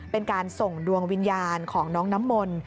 เป็นการส่งดวงวิญญาณของน้องน้ำมนต์